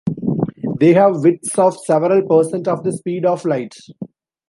They have widths of several percent of the speed of light.